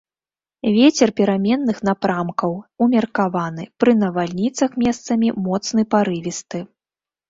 Вецер пераменных напрамкаў, умеркаваны, пры навальніцах месцамі моцны парывісты.